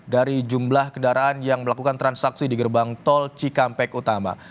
dari jumlah kendaraan yang melakukan transaksi di gerbang tol cikampek utama